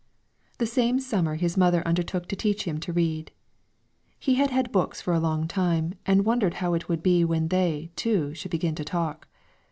The same summer his mother undertook to teach him to read. He had had books for a long time, and wondered how it would be when they, too, should begin to talk.